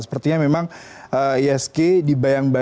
sepertinya memang isg dibayangkan